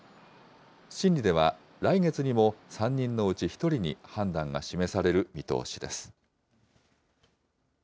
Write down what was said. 審理では、来月にも３人のうち１人に判断が示される見通しです。